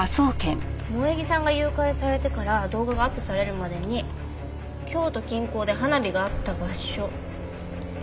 萌衣さんが誘拐されてから動画がアップされるまでに京都近郊で花火があった場所。